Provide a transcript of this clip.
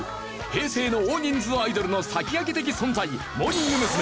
平成の大人数アイドルの先駆け的存在モーニング娘。